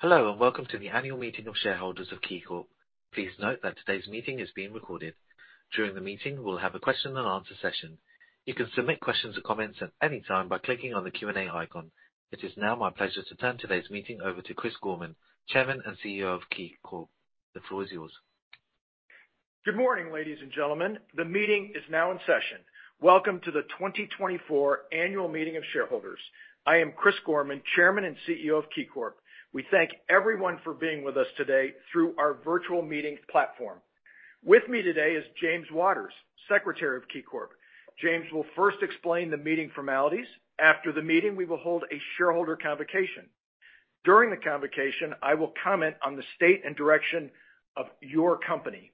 Hello, and welcome to the annual meeting of shareholders of KeyCorp. Please note that today's meeting is being recorded. During the meeting, we'll have a question and answer session. You can submit questions or comments at any time by clicking on the Q&A icon. It is now my pleasure to turn today's meeting over to Chris Gorman, Chairman and CEO of KeyCorp. The floor is yours. Good morning, ladies and gentlemen. The meeting is now in session. Welcome to the 2024 Annual Meeting of Shareholders. I am Chris Gorman, Chairman and CEO of KeyCorp. We thank everyone for being with us today through our virtual meeting platform. With me today is James Waters, Secretary of KeyCorp. James will first explain the meeting formalities. After the meeting, we will hold a shareholder convocation. During the convocation, I will comment on the state and direction of your company.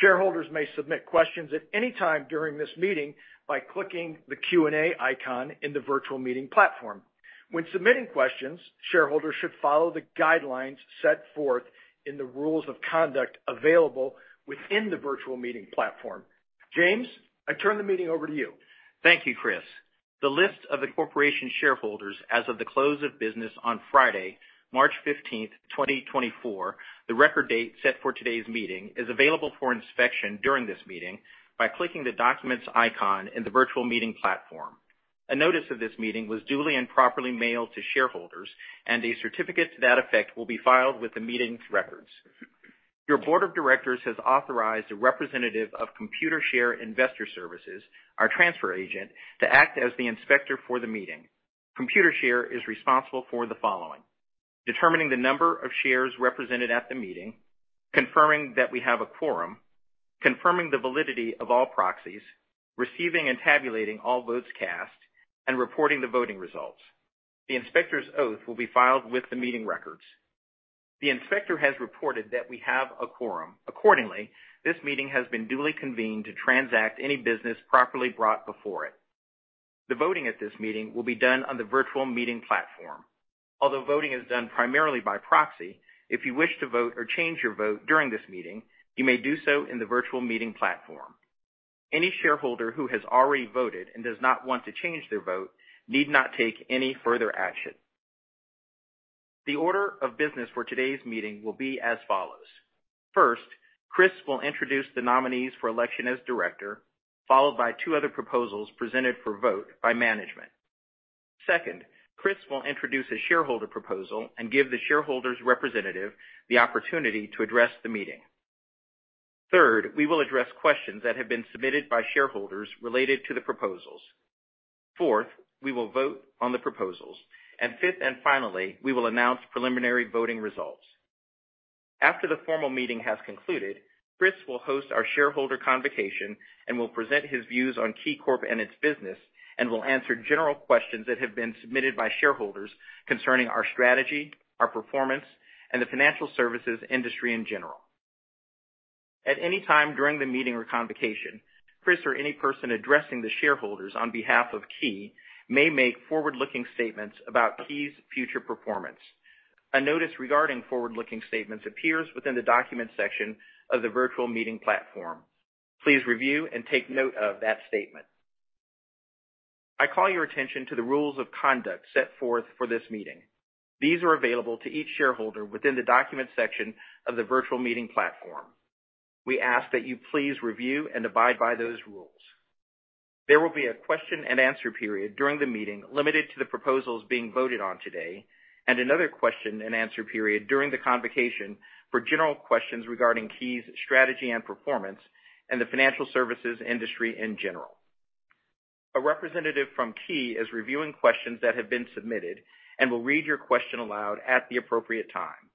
Shareholders may submit questions at any time during this meeting by clicking the Q&A icon in the virtual meeting platform. When submitting questions, shareholders should follow the guidelines set forth in the rules of conduct available within the virtual meeting platform. James, I turn the meeting over to you. Thank you, Chris. The list of the corporation's shareholders as of the close of business on Friday, March 15, 2024, the record date set for today's meeting, is available for inspection during this meeting by clicking the documents icon in the virtual meeting platform. A notice of this meeting was duly and properly mailed to shareholders, and a certificate to that effect will be filed with the meeting's records. Your board of directors has authorized a representative of Computershare Investor Services, our transfer agent, to act as the inspector for the meeting. Computershare is responsible for the following: determining the number of shares represented at the meeting, confirming that we have a quorum, confirming the validity of all proxies, receiving and tabulating all votes cast, and reporting the voting results. The inspector's oath will be filed with the meeting records. The inspector has reported that we have a quorum. Accordingly, this meeting has been duly convened to transact any business properly brought before it. The voting at this meeting will be done on the virtual meeting platform. Although voting is done primarily by proxy, if you wish to vote or change your vote during this meeting, you may do so in the virtual meeting platform. Any shareholder who has already voted and does not want to change their vote need not take any further action. The order of business for today's meeting will be as follows: First, Chris will introduce the nominees for election as director, followed by two other proposals presented for vote by management. Second, Chris will introduce a shareholder proposal and give the shareholder's representative the opportunity to address the meeting. Third, we will address questions that have been submitted by shareholders related to the proposals. Fourth, we will vote on the proposals. And fifth, and finally, we will announce preliminary voting results. After the formal meeting has concluded, Chris will host our shareholder convocation and will present his views on KeyCorp and its business, and will answer general questions that have been submitted by shareholders concerning our strategy, our performance, and the financial services industry in general. At any time during the meeting or convocation, Chris or any person addressing the shareholders on behalf of Key may make forward-looking statements about Key's future performance. A notice regarding forward-looking statements appears within the document section of the virtual meeting platform. Please review and take note of that statement. I call your attention to the rules of conduct set forth for this meeting. These are available to each shareholder within the document section of the virtual meeting platform. We ask that you please review and abide by those rules. There will be a question and answer period during the meeting, limited to the proposals being voted on today, and another question and answer period during the convocation for general questions regarding Key's strategy and performance and the financial services industry in general. A representative from Key is reviewing questions that have been submitted and will read your question aloud at the appropriate time.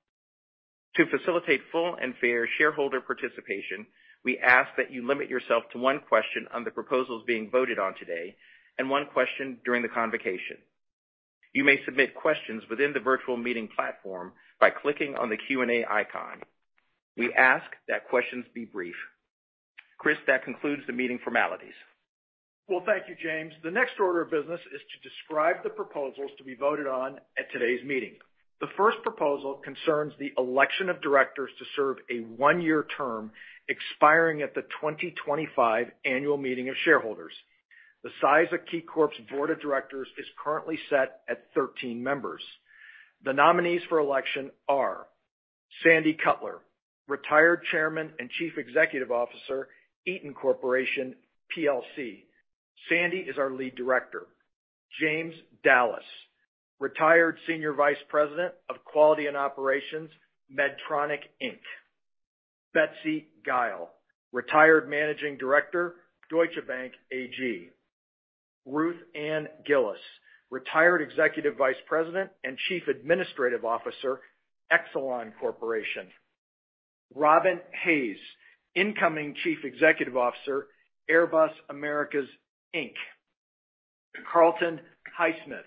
To facilitate full and fair shareholder participation, we ask that you limit yourself to one question on the proposals being voted on today and one question during the convocation. You may submit questions within the virtual meeting platform by clicking on the Q&A icon. We ask that questions be brief. Chris, that concludes the meeting formalities. Well, thank you, James. The next order of business is to describe the proposals to be voted on at today's meeting. The first proposal concerns the election of directors to serve a one-year term, expiring at the 2025 annual meeting of shareholders. The size of KeyCorp's board of directors is currently set at 13 members. The nominees for election are Sandy Cutler, Retired Chairman and Chief Executive Officer, Eaton Corporation plc. Sandy is our Lead Director. James Dallas, Retired Senior Vice President of Quality and Operations, Medtronic, Inc. Betsy Gile, Retired Managing Director, Deutsche Bank AG. Ruth Ann Gillis, Retired Executive Vice President and Chief Administrative Officer, Exelon Corporation. Robin Hayes, Incoming Chief Executive Officer, Airbus Americas, Inc. Carlton Highsmith,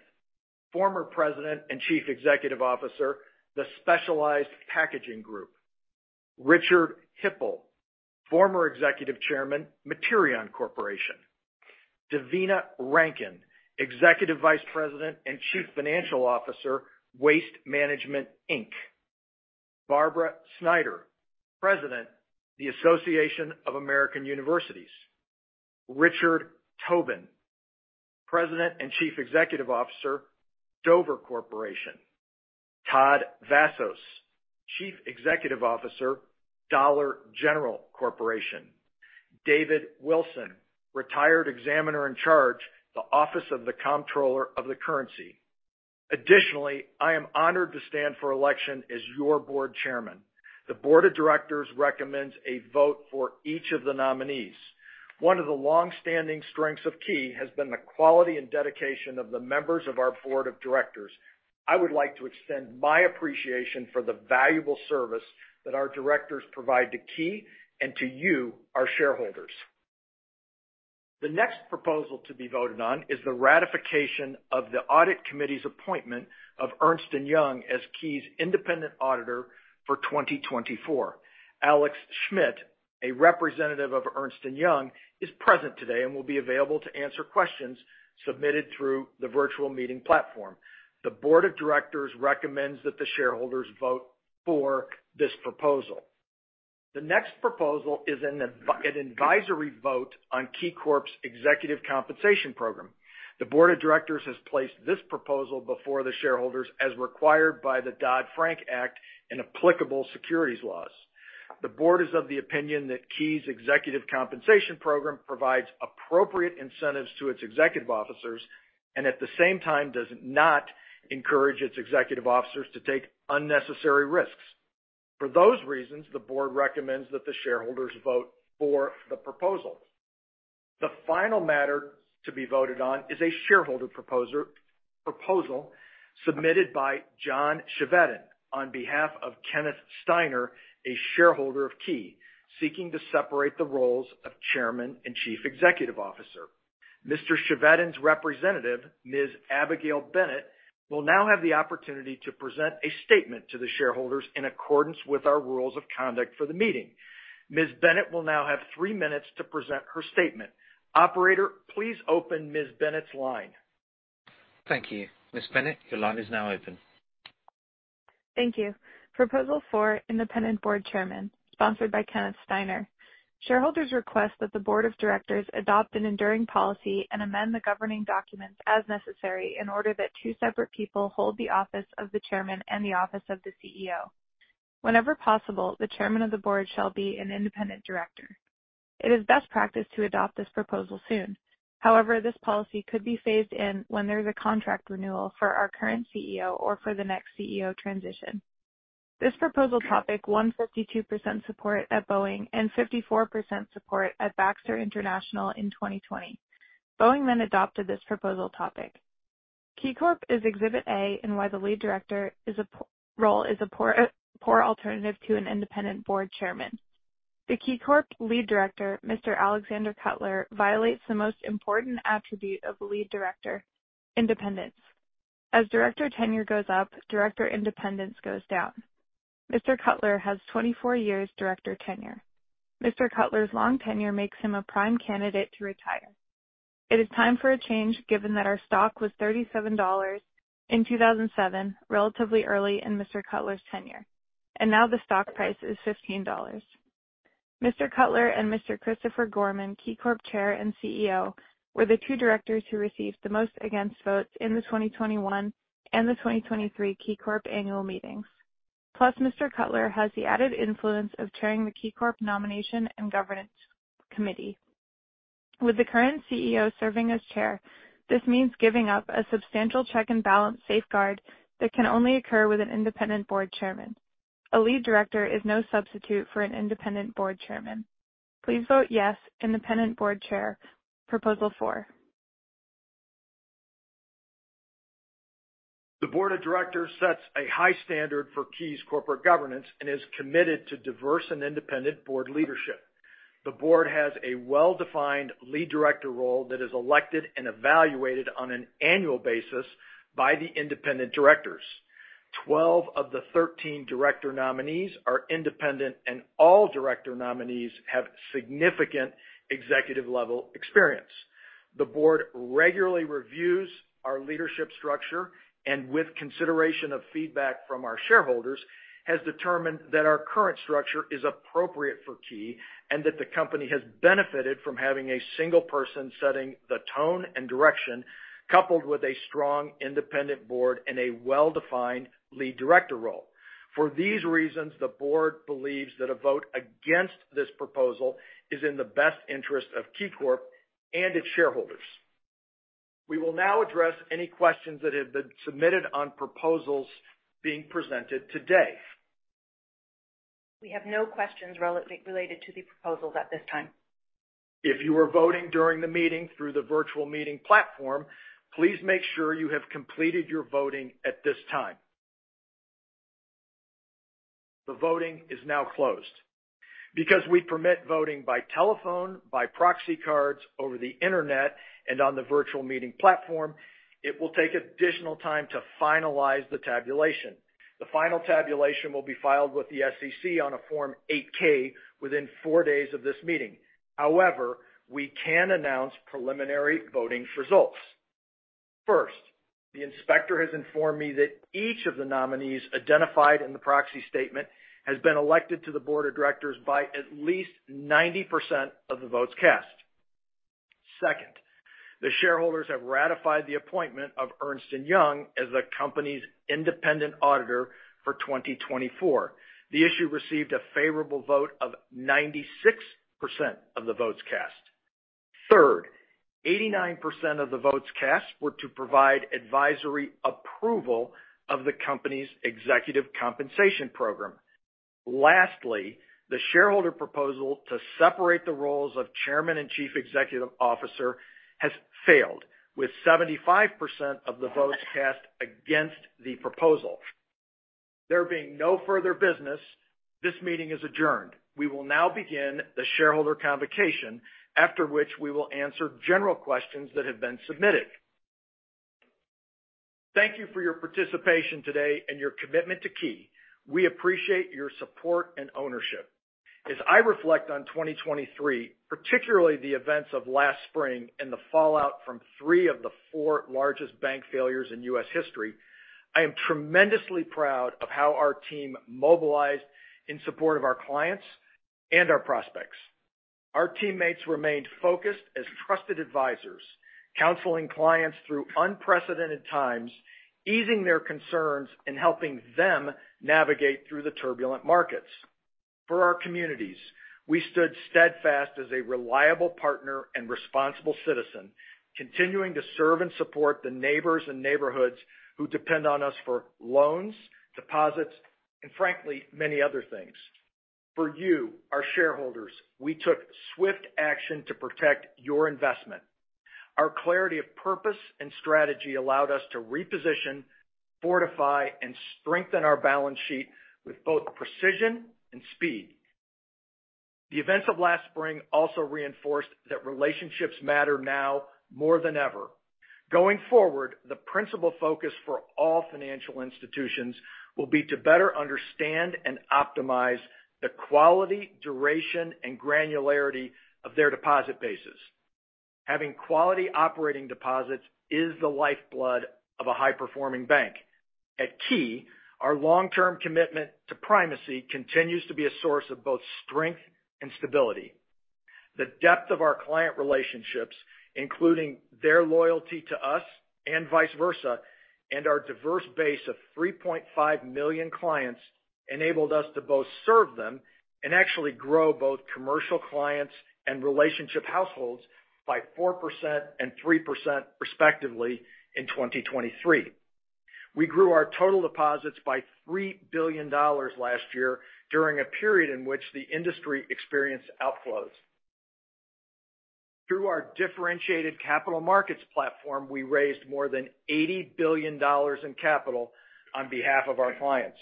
Former President and Chief Executive Officer, The Specialized Packaging Group. Richard Hipple, Former Executive Chairman, Materion Corporation. Devina Rankin, Executive Vice President and Chief Financial Officer, Waste Management, Inc. Barbara Snyder, President, the Association of American Universities. Richard Tobin, President and Chief Executive Officer, Dover Corporation; Todd Vasos, Chief Executive Officer, Dollar General Corporation; David Wilson, Retired Examiner in Charge, the Office of the Comptroller of the Currency. Additionally, I am honored to stand for election as your board chairman. The board of directors recommends a vote for each of the nominees. One of the long-standing strengths of Key has been the quality and dedication of the members of our board of directors. I would like to extend my appreciation for the valuable service that our directors provide to Key and to you, our shareholders. The next proposal to be voted on is the ratification of the audit committee's appointment of Ernst & Young as Key's independent auditor for 2024. Alex Schmidt, a representative of Ernst & Young, is present today and will be available to answer questions submitted through the virtual meeting platform. The board of directors recommends that the shareholders vote for this proposal. The next proposal is an advisory vote on KeyCorp's executive compensation program. The board of directors has placed this proposal before the shareholders, as required by the Dodd-Frank Act and applicable securities laws. The board is of the opinion that Key's executive compensation program provides appropriate incentives to its executive officers and, at the same time, does not encourage its executive officers to take unnecessary risks. For those reasons, the board recommends that the shareholders vote for the proposal. The final matter to be voted on is a shareholder proposal submitted by John Chevedden on behalf of Kenneth Steiner, a shareholder of Key, seeking to separate the roles of chairman and chief executive officer. Mr. Chevedden's representative, Ms. Abigail Bennett, will now have the opportunity to present a statement to the shareholders in accordance with our rules of conduct for the meeting. Ms. Bennett will now have three minutes to present her statement. Operator, please open Ms. Bennett's line. Thank you. Ms. Bennett, your line is now open. Thank you. Proposal four, independent board chairman, sponsored by Kenneth Steiner. Shareholders request that the board of directors adopt an enduring policy and amend the governing documents as necessary, in order that two separate people hold the office of the chairman and the office of the CEO. Whenever possible, the chairman of the board shall be an independent director. It is best practice to adopt this proposal soon. However, this policy could be phased in when there's a contract renewal for our current CEO or for the next CEO transition. This proposal topic won 52% support at Boeing and 54% support at Baxter International in 2020. Boeing then adopted this proposal topic. KeyCorp is Exhibit A in why the lead director role is a poor alternative to an independent board chairman. The KeyCorp lead director, Mr. Alexander Cutler violates the most important attribute of lead director, independence. As director tenure goes up, director independence goes down. Mr. Cutler has 24 years director tenure. Mr. Cutler's long tenure makes him a prime candidate to retire. It is time for a change, given that our stock was $37 in 2007, relatively early in Mr. Cutler's tenure, and now the stock price is $15. Mr. Cutler and Mr. Christopher Gorman, KeyCorp chair and CEO, were the two directors who received the most against votes in the 2021 and the 2023 KeyCorp annual meetings. Plus, Mr. Cutler has the added influence of chairing the KeyCorp Nomination and Governance Committee. With the current CEO serving as chair, this means giving up a substantial check and balance safeguard that can only occur with an independent board chairman. A lead director is no substitute for an independent board chairman. Please vote yes, independent board chair, Proposal Four. The board of directors sets a high standard for Key's corporate governance and is committed to diverse and independent board leadership. The board has a well-defined Lead Director role that is elected and evaluated on an annual basis by the independent directors. Twelve of the thirteen director nominees are independent, and all director nominees have significant executive-level experience. The board regularly reviews our leadership structure and, with consideration of feedback from our shareholders, has determined that our current structure is appropriate for Key and that the company has benefited from having a single person setting the tone and direction, coupled with a strong independent board and a well-defined Lead Director role. For these reasons, the board believes that a vote against this proposal is in the best interest of KeyCorp and its shareholders. We will now address any questions that have been submitted on proposals being presented today. We have no questions related to the proposals at this time. If you were voting during the meeting through the virtual meeting platform, please make sure you have completed your voting at this time. The voting is now closed. Because we permit voting by telephone, by proxy cards, over the internet, and on the virtual meeting platform, it will take additional time to finalize the tabulation. The final tabulation will be filed with the SEC on a Form 8-K within 4 days of this meeting. However, we can announce preliminary voting results. First, the inspector has informed me that each of the nominees identified in the proxy statement has been elected to the board of directors by at least 90% of the votes cast. Second, the shareholders have ratified the appointment of Ernst & Young as the company's independent auditor for 2024. The issue received a favorable vote of 96% of the votes cast. Third, 89% of the votes cast were to provide advisory approval of the company's executive compensation program. Lastly, the shareholder proposal to separate the roles of Chairman and Chief Executive Officer has failed, with 75% of the votes cast against the proposal. There being no further business, this meeting is adjourned. We will now begin the shareholder convocation, after which we will answer general questions that have been submitted. Thank you for your participation today and your commitment to Key. We appreciate your support and ownership. As I reflect on 2023, particularly the events of last spring and the fallout from three of the four largest bank failures in U.S. history, I am tremendously proud of how our team mobilized in support of our clients and our prospects. Our teammates remained focused as trusted advisors, counseling clients through unprecedented times, easing their concerns, and helping them navigate through the turbulent markets. For our communities, we stood steadfast as a reliable partner and responsible citizen, continuing to serve and support the neighbors and neighborhoods who depend on us for loans, deposits, and frankly, many other things. For you, our shareholders, we took swift action to protect your investment. Our clarity of purpose and strategy allowed us to reposition, fortify, and strengthen our balance sheet with both precision and speed. The events of last spring also reinforced that relationships matter now more than ever. Going forward, the principal focus for all financial institutions will be to better understand and optimize the quality, duration, and granularity of their deposit bases. Having quality operating deposits is the lifeblood of a high-performing bank. At Key, our long-term commitment to primacy continues to be a source of both strength and stability. The depth of our client relationships, including their loyalty to us and vice versa, and our diverse base of 3.5 million clients, enabled us to both serve them and actually grow both commercial clients and relationship households by 4% and 3%, respectively, in 2023. We grew our total deposits by $3 billion last year during a period in which the industry experienced outflows. Through our differentiated capital markets platform, we raised more than $80 billion in capital on behalf of our clients.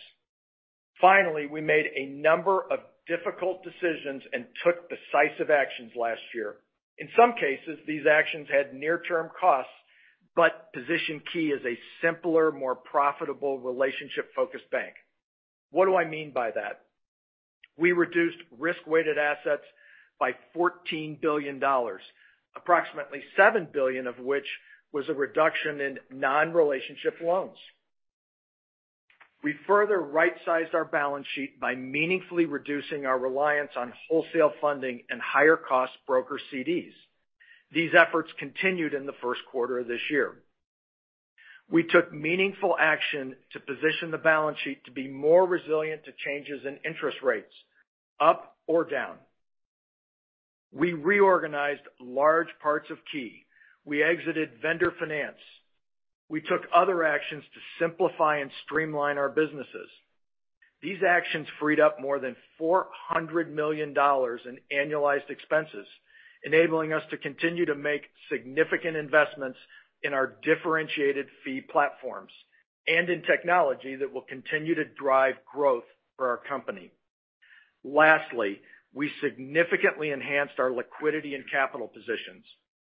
Finally, we made a number of difficult decisions and took decisive actions last year. In some cases, these actions had near-term costs, but positioned Key as a simpler, more profitable, relationship-focused bank. What do I mean by that? We reduced risk-weighted assets by $14 billion, approximately $7 billion of which was a reduction in non-relationship loans. We further right-sized our balance sheet by meaningfully reducing our reliance on wholesale funding and higher-cost brokered CDs. These efforts continued in the first quarter of this year. We took meaningful action to position the balance sheet to be more resilient to changes in interest rates, up or down. We reorganized large parts of Key. We exited vendor finance. We took other actions to simplify and streamline our businesses. These actions freed up more than $400 million in annualized expenses, enabling us to continue to make significant investments in our differentiated fee platforms and in technology that will continue to drive growth for our company. Lastly, we significantly enhanced our liquidity and capital positions.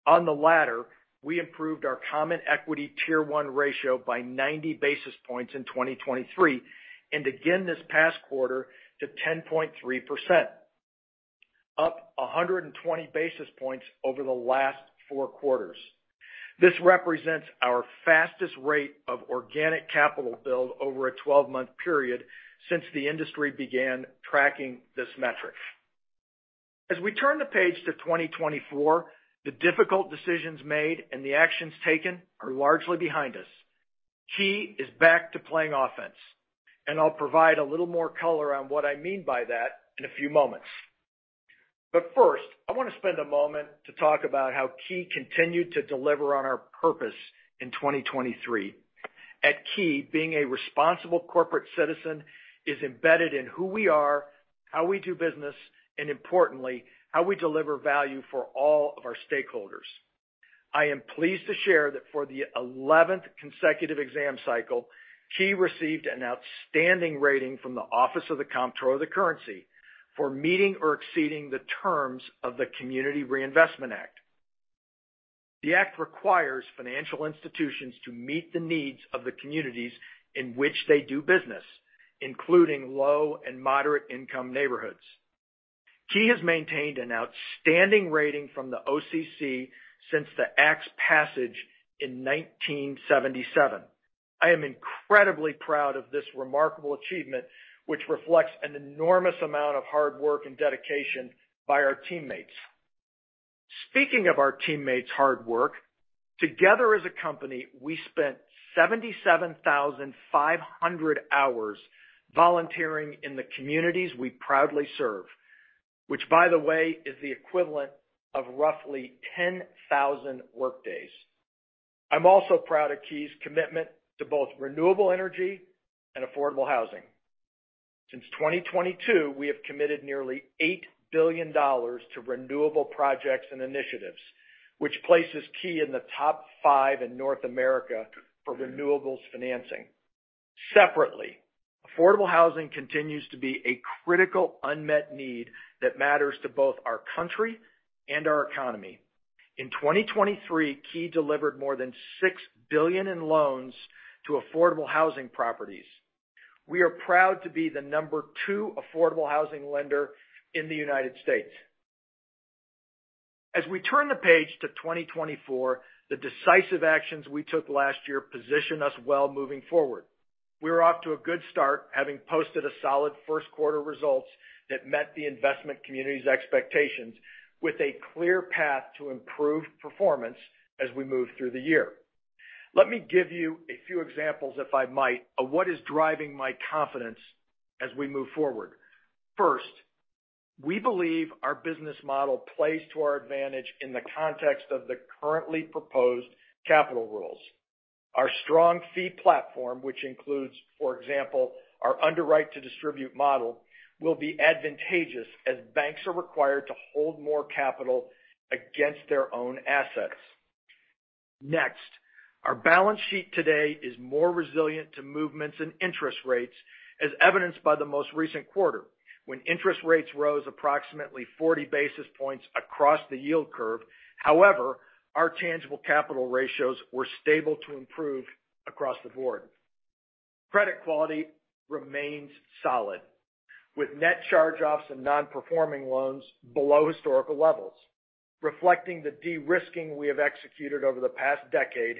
On the latter, we improved our Common Equity Tier 1 ratio by 90 basis points in 2023, and again this past quarter to 10.3%, up 120 basis points over the last four quarters. This represents our fastest rate of organic capital build over a 12-month period since the industry began tracking this metric. As we turn the page to 2024, the difficult decisions made and the actions taken are largely behind us. Key is back to playing offense, and I'll provide a little more color on what I mean by that in a few moments. But first, I want to spend a moment to talk about how Key continued to deliver on our purpose in 2023. At Key, being a responsible corporate citizen is embedded in who we are, how we do business, and importantly, how we deliver value for all of our stakeholders. I am pleased to share that for the eleventh consecutive exam cycle, Key received an outstanding rating from the Office of the Comptroller of the Currency for meeting or exceeding the terms of the Community Reinvestment Act. The act requires financial institutions to meet the needs of the communities in which they do business, including low and moderate-income neighborhoods.... Key has maintained an outstanding rating from the OCC since the Act's passage in 1977. I am incredibly proud of this remarkable achievement, which reflects an enormous amount of hard work and dedication by our teammates. Speaking of our teammates' hard work, together as a company, we spent 77,500 hours volunteering in the communities we proudly serve, which, by the way, is the equivalent of roughly 10,000 workdays. I'm also proud of Key's commitment to both renewable energy and affordable housing. Since 2022, we have committed nearly $8 billion to renewable projects and initiatives, which places Key in the top 5 in North America for renewables financing. Separately, affordable housing continues to be a critical unmet need that matters to both our country and our economy. In 2023, Key delivered more than $6 billion in loans to affordable housing properties. We are proud to be the number 2 affordable housing lender in the United States. As we turn the page to 2024, the decisive actions we took last year position us well moving forward. We're off to a good start, having posted a solid first quarter results that met the investment community's expectations, with a clear path to improved performance as we move through the year. Let me give you a few examples, if I might, of what is driving my confidence as we move forward. First, we believe our business model plays to our advantage in the context of the currently proposed capital rules. Our strong fee platform, which includes, for example, our underwrite to distribute model, will be advantageous as banks are required to hold more capital against their own assets. Next, our balance sheet today is more resilient to movements in interest rates, as evidenced by the most recent quarter, when interest rates rose approximately 40 basis points across the yield curve. However, our tangible capital ratios were stable to improve across the board. Credit quality remains solid, with net charge-offs and non-performing loans below historical levels, reflecting the de-risking we have executed over the past decade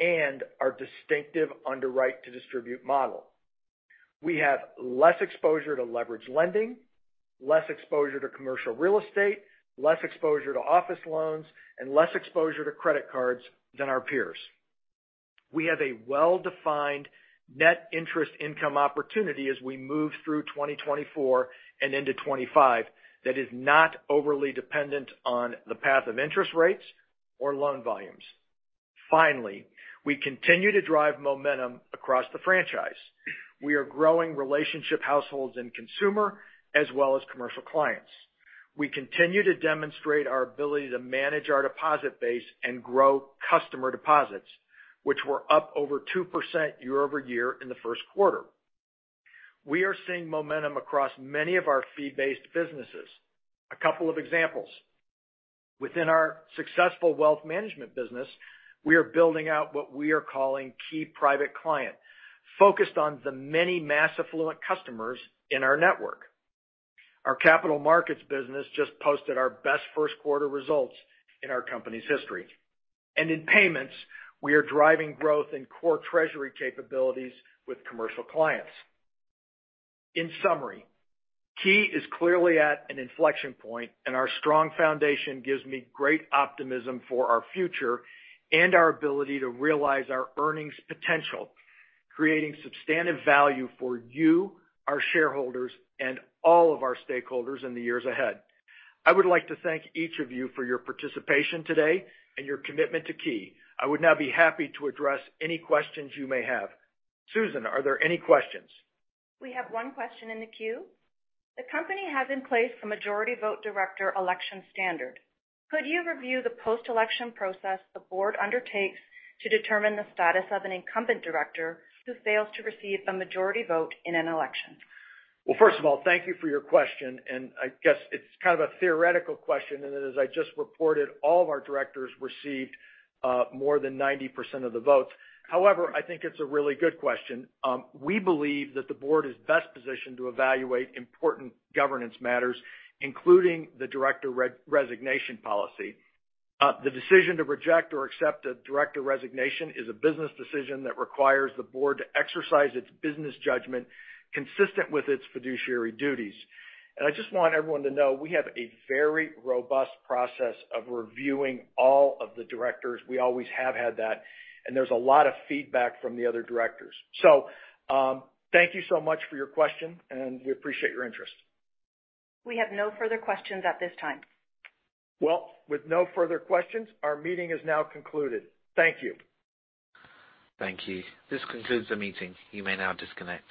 and our distinctive underwrite to distribute model. We have less exposure to leverage lending, less exposure to commercial real estate, less exposure to office loans, and less exposure to credit cards than our peers. We have a well-defined net interest income opportunity as we move through 2024 and into 2025, that is not overly dependent on the path of interest rates or loan volumes. Finally, we continue to drive momentum across the franchise. We are growing relationship households and consumer, as well as commercial clients. We continue to demonstrate our ability to manage our deposit base and grow customer deposits, which were up over 2% year-over-year in the first quarter. We are seeing momentum across many of our fee-based businesses. A couple of examples: within our successful wealth management business, we are building out what we are calling Key Private Client, focused on the many mass affluent customers in our network. Our capital markets business just posted our best first quarter results in our company's history. And in payments, we are driving growth in core treasury capabilities with commercial clients. In summary, Key is clearly at an inflection point, and our strong foundation gives me great optimism for our future and our ability to realize our earnings potential, creating substantive value for you, our shareholders, and all of our stakeholders in the years ahead. I would like to thank each of you for your participation today and your commitment to Key. I would now be happy to address any questions you may have. Susan, are there any questions? We have one question in the queue. The company has in place a majority vote director election standard. Could you review the post-election process the board undertakes to determine the status of an incumbent director who fails to receive the majority vote in an election? Well, first of all, thank you for your question, and I guess it's kind of a theoretical question, and as I just reported, all of our directors received more than 90% of the votes. However, I think it's a really good question. We believe that the board is best positioned to evaluate important governance matters, including the director resignation policy. The decision to reject or accept a director resignation is a business decision that requires the board to exercise its business judgment, consistent with its fiduciary duties. And I just want everyone to know we have a very robust process of reviewing all of the directors. We always have had that, and there's a lot of feedback from the other directors. So, thank you so much for your question, and we appreciate your interest. We have no further questions at this time. Well, with no further questions, our meeting is now concluded. Thank you. Thank you. This concludes the meeting. You may now disconnect.